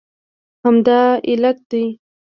همدا علت دی